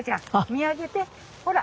見上げてほら！